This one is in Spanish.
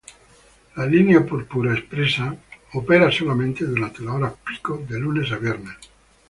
La Línea Púrpura Expresa opera solamente durante las horas pico de lunes a viernes.